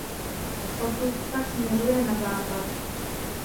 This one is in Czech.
Odtud pak směřuje na západ.